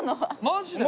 マジで？